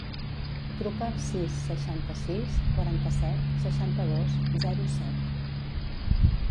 Truca al sis, seixanta-sis, quaranta-set, seixanta-dos, zero, set.